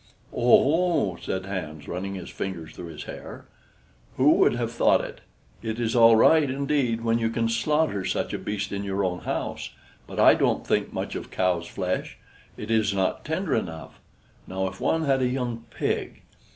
"Oho!" said Hans, running his fingers through his hair. "Who would have thought it? It is all right indeed when you can slaughter such a beast in your own house. But I don't think much of cow's flesh; it is not tender enough. Now, if one had a young pig!